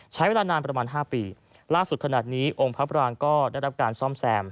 ใช้เวลานานประมาณ๕ปีล่าสุดขนาดนี้องค์พระปรางก็ได้รับการซ่อมแซม